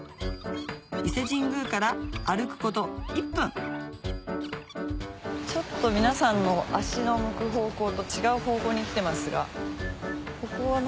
伊勢神宮から歩くこと１分ちょっと皆さんの足の向く方向と違う方向に来てますがここは。